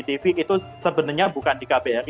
tv itu sebenarnya bukan di kbri